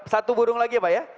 satu burung lagi ya pak ya